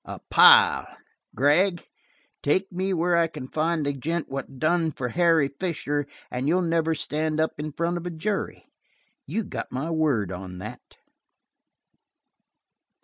A pile! Gregg, take me where I can find the gent what done for Harry Fisher and you'll never stand up in front of a jury. You got my word on that."